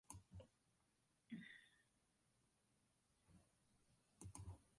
ஒவ்வொரு நொடியும் வாழ்வே!